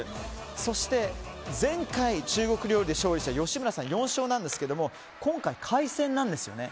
そして、前回中国料理で勝利した吉村さん４勝なんですが今回、海鮮なんですよね。